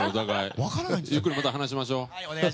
ゆっくりまた話しましょ。